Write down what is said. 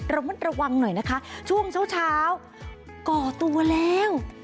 ระมัดระวังหน่อยนะคะช่วงเช้าก่อตัวแล้ว